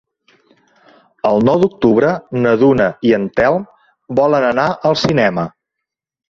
El nou d'octubre na Duna i en Telm volen anar al cinema.